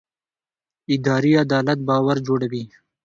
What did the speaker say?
اداري عدالت باور جوړوي